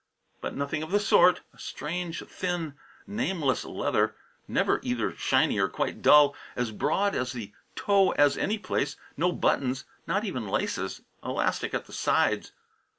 But nothing of the sort; a strange, thin, nameless leather, never either shiny or quite dull, as broad at the toe as any place, no buttons; not even laces; elastic at the sides!